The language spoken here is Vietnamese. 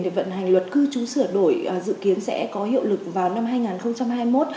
để vận hành luật cư trú sửa đổi dự kiến sẽ có hiệu lực vào năm hai nghìn hai mươi một